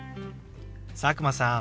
佐久間さん